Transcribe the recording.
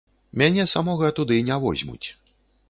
Мяне самога туды не возьмуць.